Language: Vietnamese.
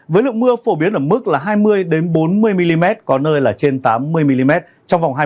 với lượng mưa phổ biến ở mức là hai mươi bốn mươi mm có nơi là trên tám mươi mm trong vòng hai mươi